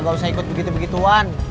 gak usah ikut begitu begituan